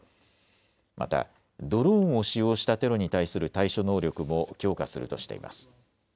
またドローンを使用したテロに対する対処能力も強化するとしています。